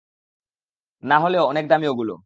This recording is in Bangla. না হলেও, অনেক দামী ওগুলো।